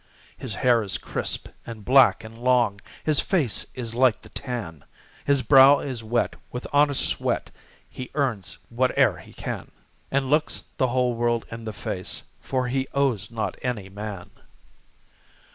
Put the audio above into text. His hair is crisp, and black, and long, His face is like the tan; His brow is wet with honest sweat, He earns whate'er he can, And looks the whole world in the face, For he owes not any man.